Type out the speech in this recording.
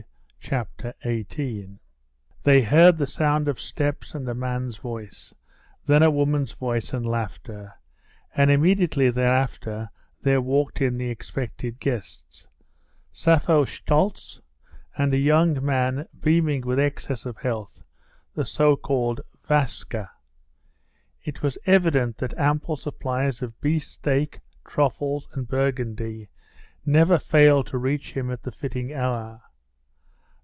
Chapter 18 They heard the sound of steps and a man's voice, then a woman's voice and laughter, and immediately thereafter there walked in the expected guests: Sappho Shtoltz, and a young man beaming with excess of health, the so called Vaska. It was evident that ample supplies of beefsteak, truffles, and Burgundy never failed to reach him at the fitting hour.